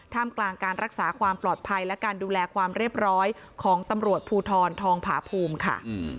กลางการรักษาความปลอดภัยและการดูแลความเรียบร้อยของตำรวจภูทรทองผาภูมิค่ะ